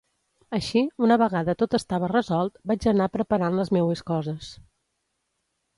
Així, una vegada tot estava resolt, vaig anar preparant les meues coses.